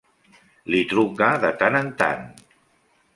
Li truca de tant en tant.